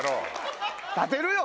立てるよ！